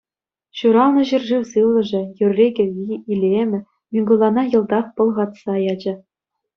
Ҫуралнӑ ҫӗршыв сывлӑшӗ, юрри-кӗвви, илемӗ Микулана йӑлтах пӑлхатса ячӗ.